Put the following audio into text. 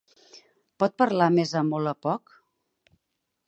Pot parlar més a molt a poc?